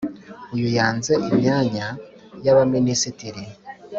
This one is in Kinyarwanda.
uyu yanze imyanya y’ abaminisitiri